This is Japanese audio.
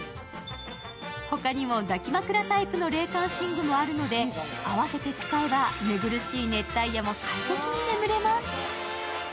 他にも抱き枕タイプの冷感寝具もあるので合わせて使えば寝苦しい熱帯夜も快適に眠れます。